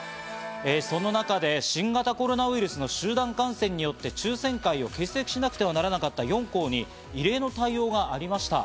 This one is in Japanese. その中で新型コロナウイルスの集団感染によって抽選会を欠席しなくてはならなかった４校に異例の対応がありました。